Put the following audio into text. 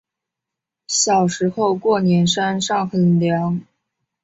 小时候过年山上很凉